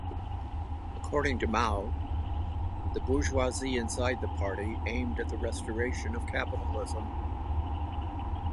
According to Mao, the bourgeoisie inside the party aimed at the restoration of capitalism.